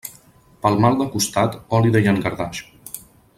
Pel mal de costat, oli de llangardaix.